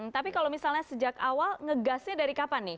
tapi kalau misalnya sejak awal ngegasnya dari kapan nih